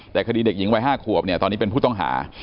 แต่คดีเด็กหญิงวัย๕ขวบเนี่ยตอนนี้เป็นผู้ต้องหา